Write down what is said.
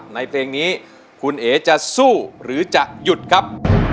ในเพลงนี้คุณเอ๋จะสู้หรือจะหยุดครับ